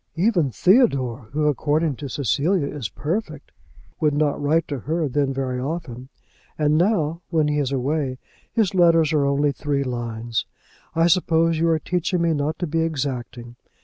Even Theodore, who according to Cecilia is perfect, would not write to her then very often; and now, when he is away, his letters are only three lines. I suppose you are teaching me not to be exacting.